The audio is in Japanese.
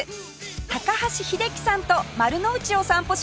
高橋英樹さんと丸の内を散歩します